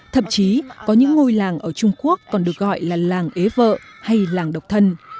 thậm chí có những ngôi làng ở trung quốc còn được gọi là làng ế vợ hay làng độc thân